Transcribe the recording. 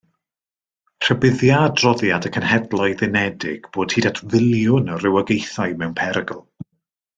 Rhybuddia adroddiad y Cenhedloedd Unedig bod hyd at filiwn o rywogaethau mewn perygl.